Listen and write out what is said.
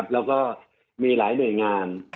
สวัสดีครับทุกคน